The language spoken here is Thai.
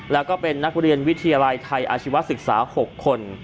แล้วก็เป็นนักเรียนวิทยาลัยไทยอาชีวศึกษา๖คน